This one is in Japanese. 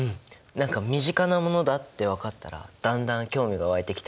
何か身近なものだって分かったらだんだん興味が湧いてきた！